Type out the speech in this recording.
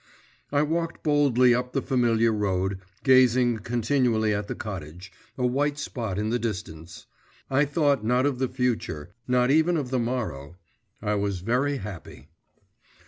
… I walked boldly up the familiar road, gazing continually at the cottage, a white spot in the distance. I thought not of the future not even of the morrow I was very happy.